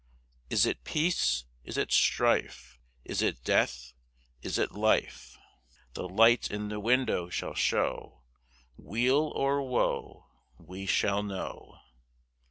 Is it peace? Is it strife? Is it death? Is it life? The light in the window shall show! Weal or woe! We shall know!